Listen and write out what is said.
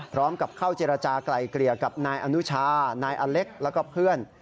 พร้อมกับเข้าเจรจากลายเกลี่ยกับนายอนุชานายอเล็กแล้วก็เพื่อน